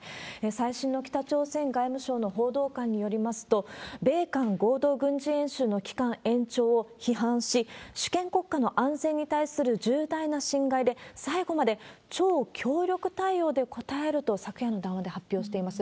最新の北朝鮮外務省の報道官によりますと、米韓合同軍事演習の期間延長を批判し、主権国家の安全に対する重大な侵害で、最後まで超強力対応で答えると叫んだと発表しています。